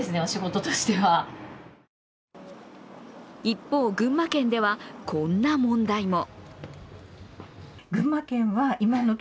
一方、群馬県ではこんな問題も。